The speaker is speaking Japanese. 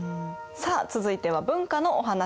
さあ続いては文化のお話！